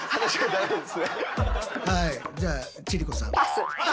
じゃあ千里子さん。